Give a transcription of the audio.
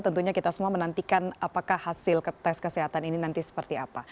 tentunya kita semua menantikan apakah hasil tes kesehatan ini nanti seperti apa